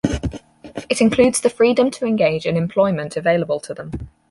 It includes the freedom to engage in employment available to them.